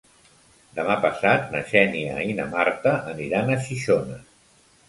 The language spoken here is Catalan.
Demà passat na Xènia i na Marta aniran a Xixona.